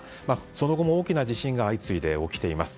その後も大きな地震が相次いで起きています。